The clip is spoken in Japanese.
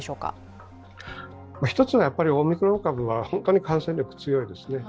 １つはオミクロン株は本当に感染力が強いですね。